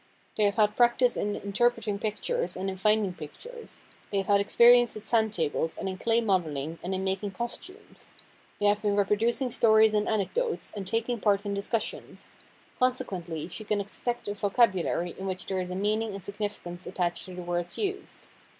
They have had practice in interpreting pictures and in finding pictures; they have had experience with sand tables and in clay modeling and in making costumes; they have been reproducing stories and anecdotes, and taking part in discussions; consequently, she can expect a vocabulary in which there is a meaning and significance attached to the words used.